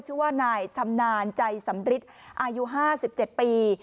ชื่อว่านายชำนาญใจสำริตอายุห้าสิบเจ็ดปี